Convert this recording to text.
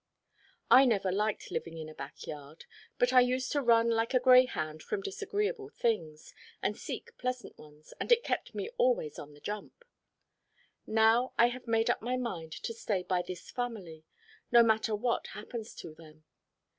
I never liked living in a back yard, but I used to run like a greyhound from disagreeable things, and seek pleasant ones, and it kept me always on the jump. Now I have made up my mind to stay by this family, no matter what happens to them.